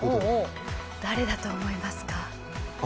誰だと思いますか？